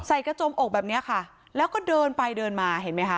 กระจมอกแบบเนี้ยค่ะแล้วก็เดินไปเดินมาเห็นไหมคะ